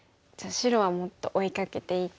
白はもっと追いかけていって。